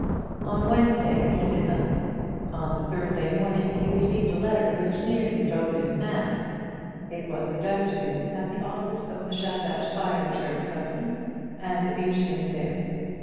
On Wednesday he did nothing. On the Thursday morning he received a letter which nearly drove him mad. It was addressed to him at the office of the Shadrach Fire Insurance Company, and it reached him there.